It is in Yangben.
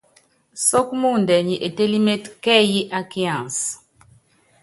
Sɔ́k muundɛ nyi etélíméte káyií ákiansɛ?